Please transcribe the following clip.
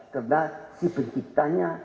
karena si penciptanya